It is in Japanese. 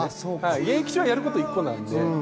現役中、やることは１個なので。